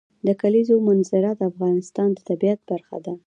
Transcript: د کلیزو منظره د افغانستان د طبیعت برخه ده.